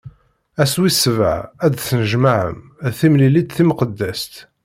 Ass wis sebɛa ad d-tennejmaɛem, d timlilit timqeddest.